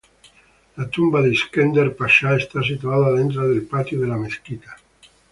La tumba de İskender Pasha está situada dentro del patio de la mezquita.